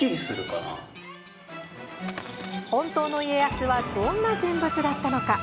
本当の家康はどんな人物だったのか？